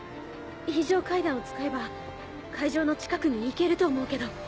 非常階段を使えば会場の近くに行けると思うけど。